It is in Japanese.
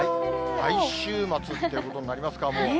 来週末っていうことになりますか、もう。